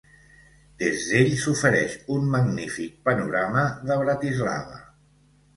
Des d'ell s'ofereix un magnífic panorama de Bratislava.